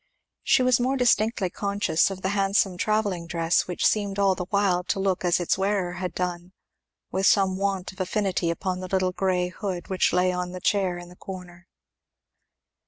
She was more distinctly conscious of the handsome travelling dress which seemed all the while to look as its wearer had done, with some want of affinity upon the little grey hood which lay on the chair in the corner.